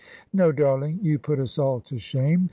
"No, darling, you put us all to shame.